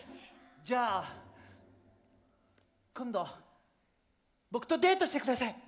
じゃあ今度僕とデートしてください。